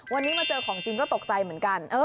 วันนี้มาเจอของจริงก็ตกใจเหมือนกัน